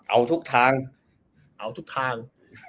เอาทุกทาง